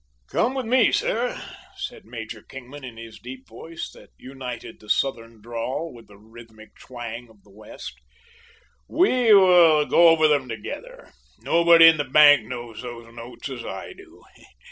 "Come with me, sir," said Major Kingman, in his deep voice, that united the Southern drawl with the rhythmic twang of the West; "We will go over them together. Nobody in the bank knows those notes as I do.